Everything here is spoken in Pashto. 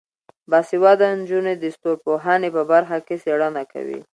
باسواده نجونې د ستورپوهنې په برخه کې څیړنه کوي.